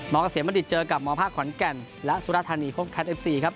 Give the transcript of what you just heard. มกระเสียมณิตเจอกับมภาคขวัญแก่นและสุรธรรมิพบแคทเอฟซีครับ